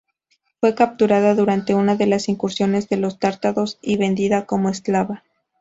Fue capturada durante una de las incursiones de los tártaros y vendida como esclava.